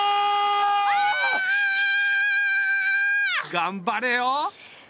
がんばれよ。